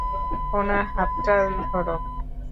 উনার হাতটা ধরো!